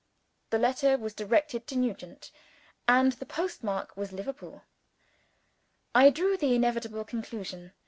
The letter was directed to Nugent; and the post mark was Liverpool. I drew the inevitable conclusion.